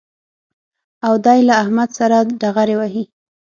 او دی له احمد سره ډغرې وهي